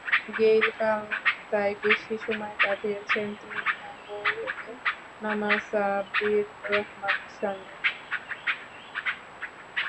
Gayle কাল তাই বেশি সময় কাটিয়েছেন তিন নম্বরে নামা সাব্বির রহমানের সঙ্গে।